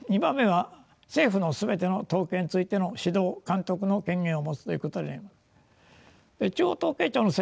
２番目は政府の全ての統計についての指導・監督の権限を持つということであります。